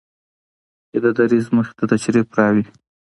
چې د دريځ مخې ته تشریف راوړي